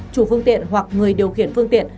chủ phương tiện hoặc người điều khiển phương tiện